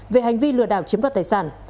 về hành vi lừa đảo chiếm đoạt tài sản